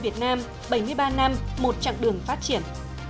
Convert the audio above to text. quân đội nhân dân việt nam bảy mươi ba năm một chặng đường phát triển